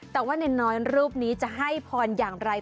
แต่ว่าน้อยรูปนี้จะให้พรอย่างไร